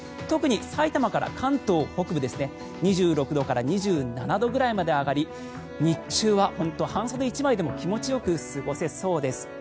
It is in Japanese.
特に埼玉から関東北部２６度から２７度ぐらいまで上がり日中は半袖１枚でも気持ちよく過ごせそうです。